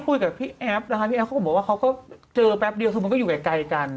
ผมบอกว่าเขาก็เจอแป๊บเดียวซึ่งมันก็อยู่ไกลกัน